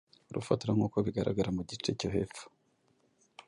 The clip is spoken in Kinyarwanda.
Urufatiro nkuko bigaragara mu gice cyo hepfo